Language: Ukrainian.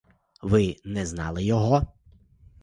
Ви не знали його?